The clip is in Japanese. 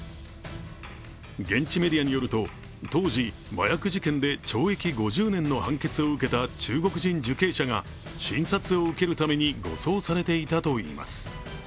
現地メディアによると、当時、麻薬事件で懲役５０年の判決を受けた中国人受刑者が診察を受けるために護送されていたといいます。